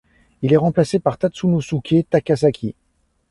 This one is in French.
Il est remplacé par Tatsunosuke Takasaki.